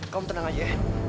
kamu tenang saja ya